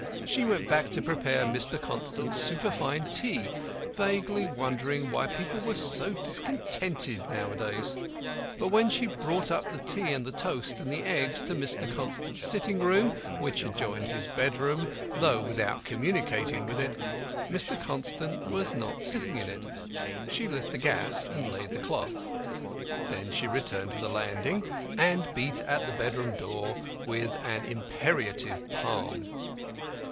She went back to prepare Mr. Constant's superfine tea, vaguely wondering why people were so discontented nowadays. But when she brought up the tea and the toast and the eggs to Mr. Constant's sitting room (which adjoined his bedroom, though without communicating with it), Mr. Constant was not sitting in it. She lit the gas, and laid the cloth; then she returned to the landing and beat at the bedroom door with an imperative palm.